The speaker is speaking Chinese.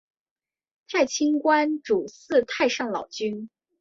太清观主祀太上老君。